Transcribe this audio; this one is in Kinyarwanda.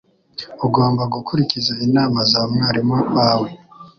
Ugomba gukurikiza inama za mwarimu wawe.